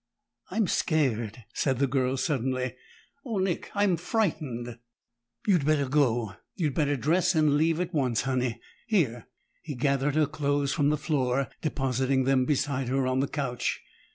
"I'm scared!" said the girl suddenly. "Oh, Nick! I'm frightened!" "You'd better go. You'd better dress and leave at once, Honey. Here." He gathered her clothes from the floor, depositing them beside her on the couch.